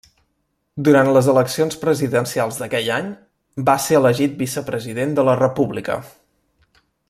Durant les eleccions presidencials d'aquell any, va ser elegit vicepresident de la República.